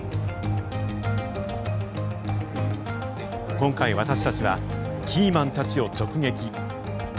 今回私たちはキーマンたちを直撃。